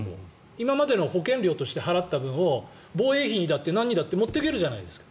今までの保険料として払った分を防衛費にだって何にだって持っていけるじゃないですか。